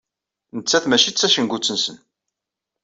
Nettat mačči d tacengut-nsen.